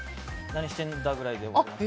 何してんだぐらいで。